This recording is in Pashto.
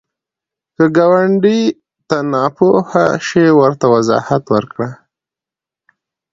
که ګاونډي ته ناپوهه شي، ورته وضاحت ورکړه